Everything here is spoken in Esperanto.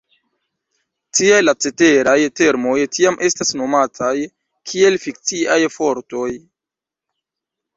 Tial la ceteraj termoj tiam estas nomataj kiel "fikciaj fortoj".